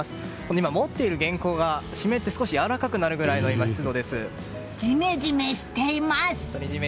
今持っている原稿が湿って少しやわらかくなるぐらいのジメジメしています！